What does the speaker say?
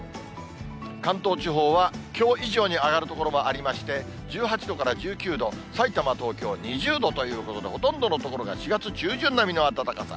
関東地方はきょう以上に上がる所もありまして、１８度から１９度、さいたま、東京２０度ということで、ほとんどの所が４月中旬並みの暖かさ。